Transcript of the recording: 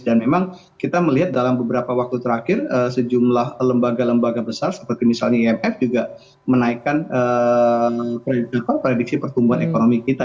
dan memang kita melihat dalam beberapa waktu terakhir sejumlah lembaga lembaga besar seperti misalnya imf juga menaikkan prediksi pertumbuhan ekonomi kita